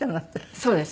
そうです。